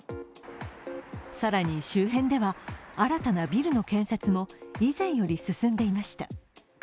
更に、周辺では新たなビルの建設も以前より進んでいました。